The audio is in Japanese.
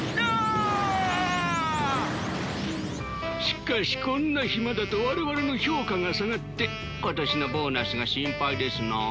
しかしこんな暇だと我々の評価が下がって今年のボーナスが心配ですな。